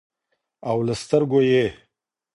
او له سترګو یې